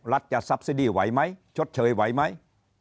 รัฐจะซับซิดี้ไหวไหมชดเชยไหวไหม